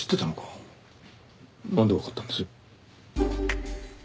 なんでわかったんです？